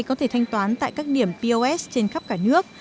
có thể thanh toán tại các điểm pos trên khắp cả nước